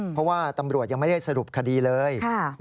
เพราะว่าตำรวจยังไม่ได้สรุปคดีเลย